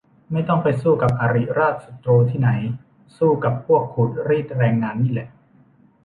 ไม่ต้องไปสู้กับอริราชศัตรูที่ไหน สู้กับพวกขูดรีดแรงงานนี่แหละ